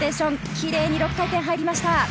キレイに６回転、入りました。